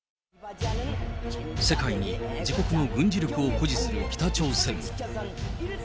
世界に自国の軍事力を誇示する北朝鮮。